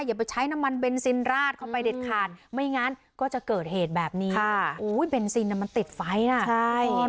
อย่าไปใช้น้ำมันเบนซินราดเข้าไปเด็ดขาดไม่งั้นก็จะเกิดเหตุแบบนี้อุ้ยเบนซินอ่ะมันติดไฟน่ะใช่